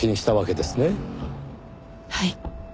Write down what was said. はい。